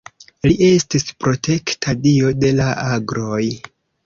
Li estis protekta dio de la agroj.